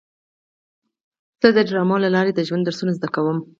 زه د ډرامو له لارې د ژوند درسونه زده کوم.